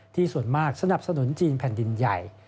ส่วนมากสนับสนุนจีนแผ่นดินใหญ่